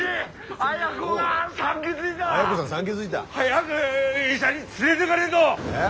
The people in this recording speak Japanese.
早く医者に連れてかねえと！え？